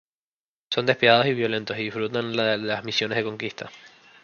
Son despiadados y violentos, y disfrutan de las misiones de conquista.